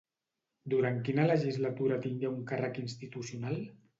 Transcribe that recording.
Durant quina legislatura tingué un càrrec institucional?